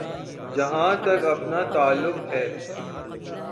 جہاں تک اپنا تعلق ہے۔